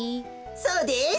そうです。